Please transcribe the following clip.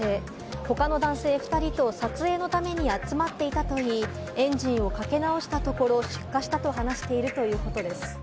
他の男性２人と撮影のために集まっていたといい、エンジンをかけ直したところ、出火したと話しているということです。